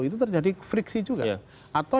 itu terjadi friksi juga atau